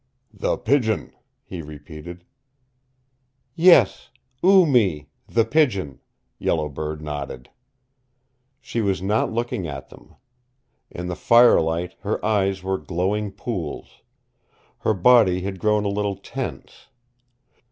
"The Pigeon," he repeated, "Yes, Oo Mee, the Pigeon," Yellow Bird nodded. She was not looking at them. In the firelight her eyes were glowing pools. Her body had grown a little tense.